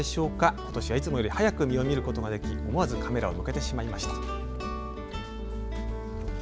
今年はいつもより早く実を見ることができ、思わずカメラを向けてしまいました。